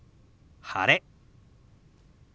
「晴れ」。